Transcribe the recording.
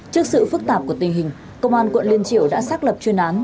trước sự phức tạp của tình hình công an quận liên triểu đã xác lập chuyên án